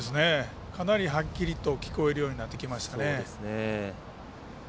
かなりはっきりと聞こえるようになってきましたね。